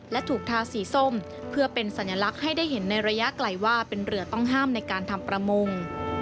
และถูกทาสีส้มเพื่อเป็นสัญลักษณ์ให้ได้เห็นในระยะไกลว่าเป็นเรือต้องห้ามในการทำประมง